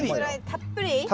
たっぷり。